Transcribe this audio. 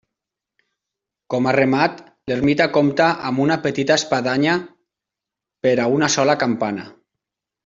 Com a remat, l'ermita compta amb una petita espadanya per a una sola campana.